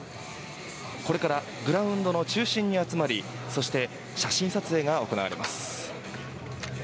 これからグラウンドの中心に集まりそして、写真撮影が行われます。